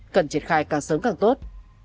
cần triệt khai càng sớm càng tốt